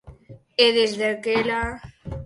E desde aquela.